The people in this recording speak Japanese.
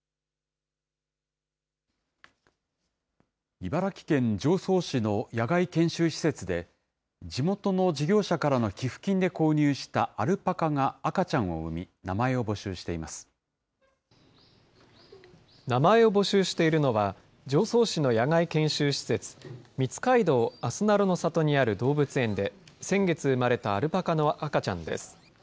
茨城県常総市の野外研修施設で、地元の事業者からの寄付金で購入したアルパカが赤ちゃんを生み、名前を募集しているのは、常総市の野外研修施設、水海道あすなろの里にある動物園で、先月生まれたアルパカの赤ちゃんです。